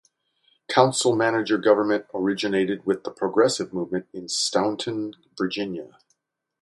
Council-manager government originated with the Progressive movement in Staunton, Virginia.